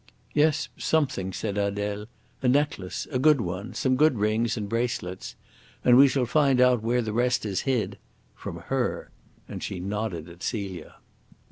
"Yes, something," said Adele. "A necklace a good one some good rings, and bracelets. And we shall find out where the rest is hid from her." And she nodded at Celia.